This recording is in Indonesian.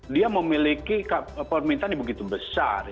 dia memiliki permintaannya begitu besar